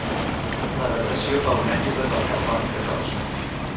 La datació pel mètode del carboni catorze.